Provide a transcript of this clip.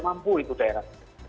mampu itu daerah